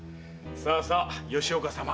さあさあ吉岡様